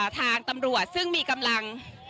ทางตำรวจซึ่งมีกำลัง